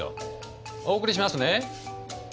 お送りしますね。